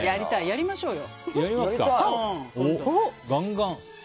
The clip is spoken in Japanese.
やりましょうよ。